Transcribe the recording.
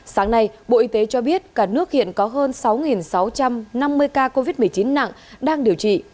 sáng nay bộ y tế cho biết cả nước hiện có hơn sáu sáu trăm năm mươi ca covid một mươi chín nặng đang điều trị